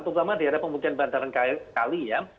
untuk kelamaran daerah pemukiman bantaran kali ya